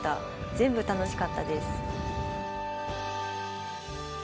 全部楽しかったです。